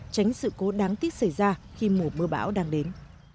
tránh sự cố đáng tiếc xảy ra khi mùa mưa bão đang đến